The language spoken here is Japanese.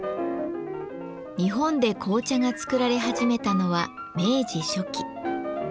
日本で紅茶が作られ始めたのは明治初期。